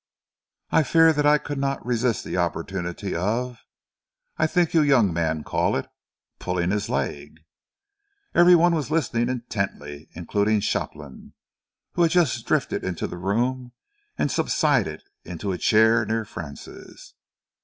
I fear that I could not resist the opportunity of I think you young men call it pulling his leg." Every one was listening intently, including Shopland, who had just drifted into the room and subsided into a chair near Francis.